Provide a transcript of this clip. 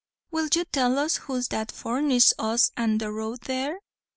"Will you tell us who's that forninst us an the road there?"